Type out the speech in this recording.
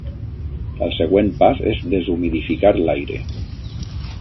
El següent pas és deshumidificar l'aire.